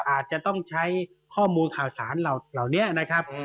อาจจะต้องใช้ข้อมูลข่าวสารเหล่านี้นะครับ